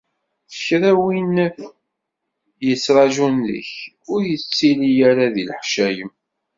Kra n wid yettraǧun deg-k, ur ttilin ara di leḥcayem.